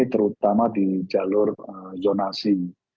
terutama di jalur zonasi